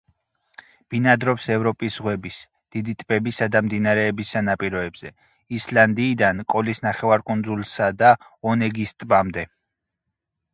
ბინადრობს ევროპის ზღვების, დიდი ტბებისა და მდინარეების სანაპიროებზე ისლანდიიდან კოლის ნახევარკუნძულსა და ონეგის ტბამდე.